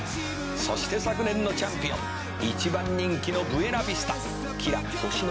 「そして昨年のチャンピオン一番人気のブエナビスタ」「きら星のごとき